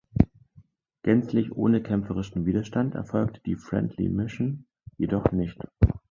Gänzlich ohne kämpferischen Widerstand erfolgte die Friendly Mission jedoch nicht.